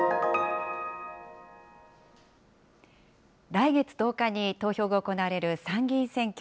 来月１０日に投票が行われる参議院選挙。